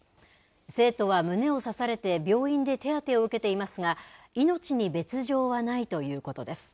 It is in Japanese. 生徒は胸を刺されて病院で手当てを受けていますが、命に別状はないということです。